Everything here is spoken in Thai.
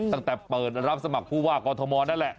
ตั้งแต่เปิดรับสมัครผู้ว่ากอทมนั่นแหละ